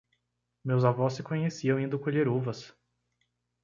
Meus avós se conheciam indo colher uvas.